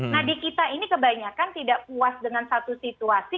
nah di kita ini kebanyakan tidak puas dengan satu situasi